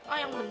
oh yang bener